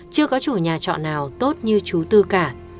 chưa có chủ nhà trọ nào tốt như chú tư cả